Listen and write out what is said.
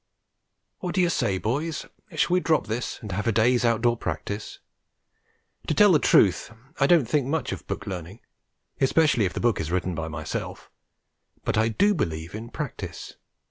What do you say, boys? Shall we drop this and have a day's outdoor practice? To tell the truth, I don't think much of book learning, especially if the book is written by myself; but I do believe in practice.